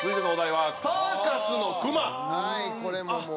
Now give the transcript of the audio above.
はいこれももう。